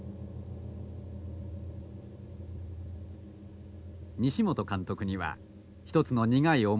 西本監督には１つの苦い思い出がある。